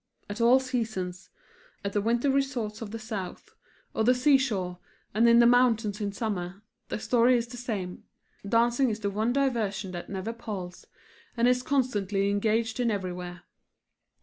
At all seasons; at the winter resorts of the South, or the seashore, and in the mountains in summer, the story is the same; dancing is the one diversion that never palls, and is constantly engaged in everywhere.